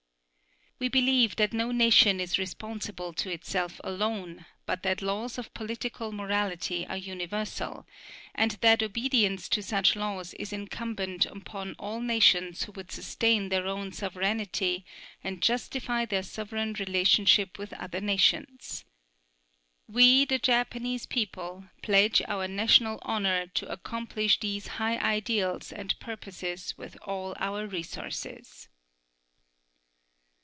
We believe that no nation is responsible to itself alone, but that laws of political morality are universal; and that obedience to such laws is incumbent upon all nations who would sustain their own sovereignty and justify their sovereign relationship with other nations. We, the Japanese people, pledge our national honor to accomplish these high ideals and purposes with all our resources.